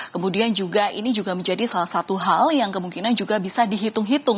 kemudian juga ini juga menjadi salah satu hal yang kemungkinan juga bisa dihitung hitung